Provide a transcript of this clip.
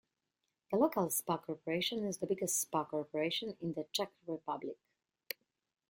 The local spa corporation is the biggest spa corporation in the Czech Republi.